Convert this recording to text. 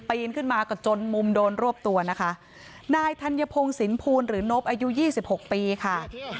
นขึ้นมาก็จนมุมโดนรวบตัวนะคะนายธัญพงศิลภูลหรือนบอายุยี่สิบหกปีค่ะ